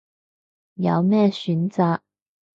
有咩選擇